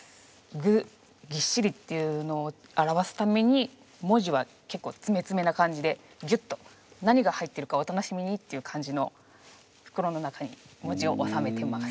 具ぎっしりっていうのを表すために文字は結構つめつめな感じでぎゅっと何が入ってるかお楽しみにっていう感じの袋の中に文字をおさめてます。